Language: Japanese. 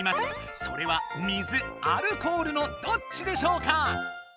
それは水・アルコールのどっちでしょうか？